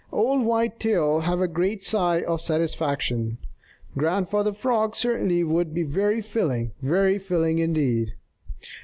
Old Whitetail gave a great sigh of satisfaction. Grandfather Frog certainly would be very filling, very filling, indeed.